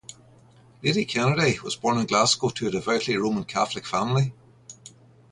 Lady Kennedy was born in Glasgow to a devoutly Roman Catholic family.